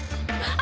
あ。